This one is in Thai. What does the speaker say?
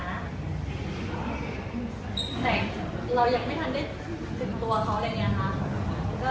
แต่เรายังไม่ทันได้ถึงตัวเขาอะไรอย่างนี้ค่ะ